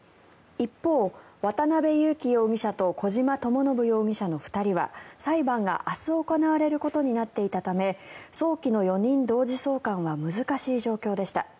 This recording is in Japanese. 一方、渡邉優樹容疑者と小島智信容疑者の２人は裁判が明日行われることになっていたため早期の４人同時送還は難しい状況でした。